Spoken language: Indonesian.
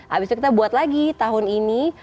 abis itu kita buat lagi tahun ini